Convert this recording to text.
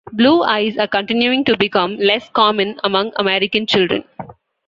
Blue eyes are continuing to become less common among American children.